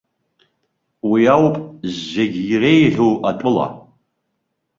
Уи ауп зегь иреиӷьу атәыла.